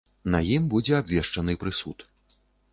На ім будзе абвешчаны прысуд.